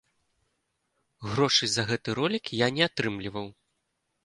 Грошай за гэты ролік я не атрымліваў.